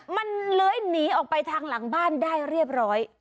มันเลื้อยหนีออกไปทางหลังบ้านได้เรียบร้อย